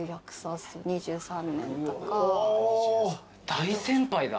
大先輩だ。